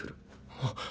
あっ。